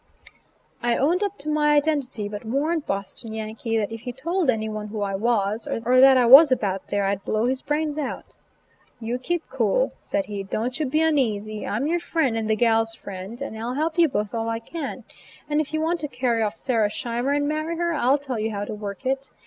I owned up to my identity, but warned Boston Yankee that if he told any one who I was, or that I was about there, I'd blow his brains out. "You keep cool," said he, "don't you be uneasy; I'm your friend and the gal's friend, and I'll help you both all I can; and if you want to carry off Sarah Scheimer and marry her, I'll tell you how to work it.